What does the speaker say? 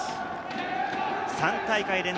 ３大会連続